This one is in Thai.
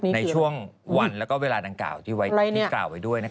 ในช่วงวันและเวลาดังกล่าวที่กล่าวไว้ด้วย